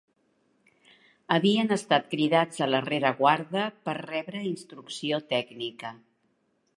Havien estat cridats a la rereguarda per rebre instrucció tècnica